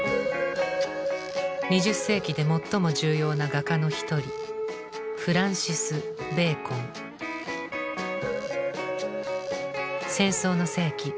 ２０世紀で最も重要な画家の一人戦争の世紀。